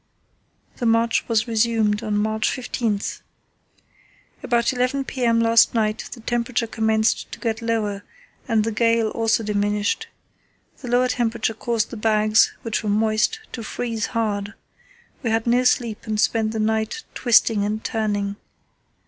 The march was resumed on March 15. "About 11 p.m. last night the temperature commenced to get lower and the gale also diminished. The lower temperature caused the bags, which were moist, to freeze hard. We had no sleep and spent the night twisting and turning.